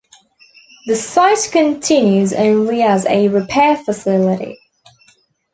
The site continues only as a repair facility.